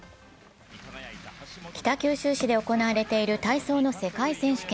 北九州市で行われている体操の世界選手権。